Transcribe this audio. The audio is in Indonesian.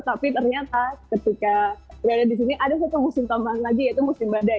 tapi ternyata ketika berada di sini ada satu musim tambahan lagi yaitu musim badai